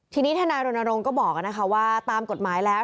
ทีนี้ทนายรณรงค์ก็บอกว่าตามกฎหมายแล้ว